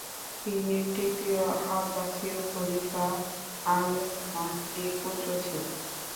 তিনি তৃতীয় আব্বাসীয় খলিফা আল মাহদির পুত্র ছিলেন।